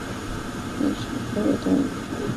鼢鼠属等数种哺乳动物。